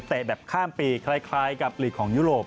แบบข้ามปีคล้ายกับหลีกของยุโรป